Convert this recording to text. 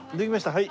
はい。